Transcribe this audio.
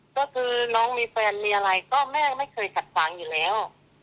ก็คือน้องมีแฟนมีอะไรก็แม่ไม่เคยขัดขวางอยู่แล้ว